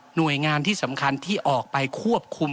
หน่วยงานที่สำคัญที่ออกไปควบคุม